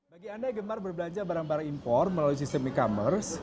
bagi anda yang gemar berbelanja barang barang impor melalui sistem e commerce